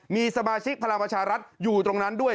มีสมาชิกพลังประชารัฐอยู่ตรงนั้นด้วย